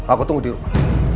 aku tunggu di rumah